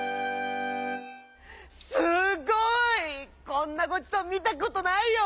こんなごちそうみたことないよ！」。